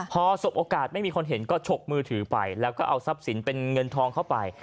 พอสบโอกาสไม่มีคนเห็นก็ฉกมือถือไปแล้วก็เอาทรัพย์สินเป็นเงินทองเข้าไป